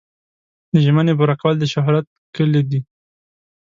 د ژمنې پوره کول د شهرت کلي ده.